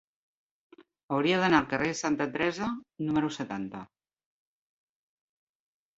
Hauria d'anar al carrer de Santa Teresa número setanta.